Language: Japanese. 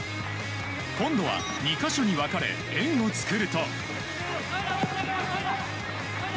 今度は、２か所に分かれ円を作ると。